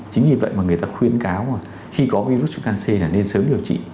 chính vì vậy mà người ta khuyên cáo khi có virus vnc là nên sớm điều trị